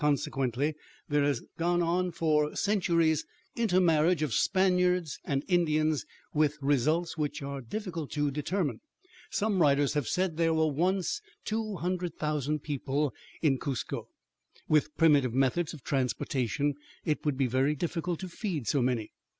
Consequently, there has gone on for centuries intermarriage of Spaniards and Indians with results which are difficult to determine. Some writers have said there were once 200,000 people in Cuzco. With primitive methods of transportation it would be very difficult to feed so many.